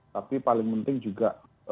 tapi paling penting juga